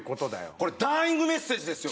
これダイイングメッセージですよ